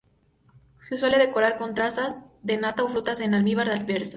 Se suele decorar con trazas de nata o frutas en almíbar diversas.